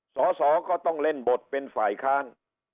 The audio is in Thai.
สอสอก็ต้องเล่นบทเป็นฝ่ายค้าน